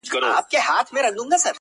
• د زړگي ښار ته مي لړم د لېمو مه راوله.